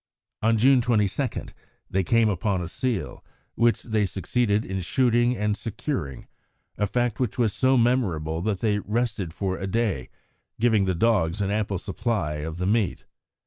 On June 22 they came upon a seal, which they succeeded in shooting and securing, a fact which was so memorable that they rested for a day, giving the dogs an ample supply of the meat.